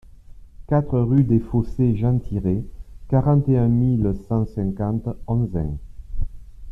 quatre rue des Fossés Jean Tirés, quarante et un mille cent cinquante Onzain